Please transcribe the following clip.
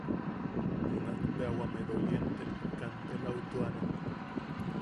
Junak bea wame dolientem kantelatuana.